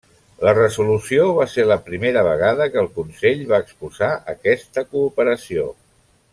La resolució va ser la primera vegada que el Consell va exposar aquesta cooperació.